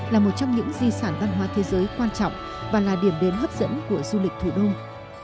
là một trong những di sản văn hóa thế giới quan trọng và là điểm đến hấp dẫn của du lịch thủ đông